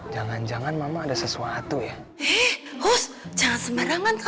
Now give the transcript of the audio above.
jangan jangan mama ada sesuatu ya